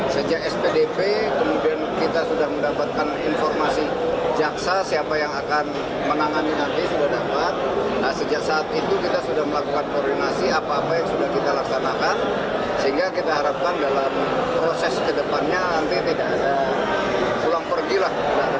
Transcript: sehingga kita harapkan dalam proses kedepannya nanti tidak ada pulang pergilah